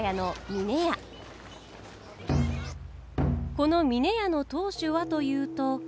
この峰屋の当主はというと。